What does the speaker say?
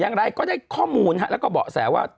อย่างไรก็ได้ข้อมูลแล้วก็เบาะแสว่า